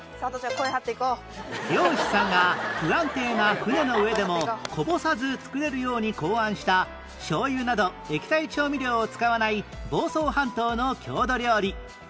漁師さんが不安定な船の上でもこぼさず作れるように考案した醤油など液体調味料を使わない房総半島の郷土料理